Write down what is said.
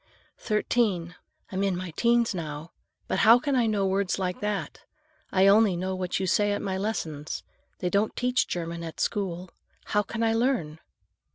"Thirteen. I'm in my 'teens now. But how can I know words like that? I only know what you say at my lessons. They don't teach German at school. How can I learn?"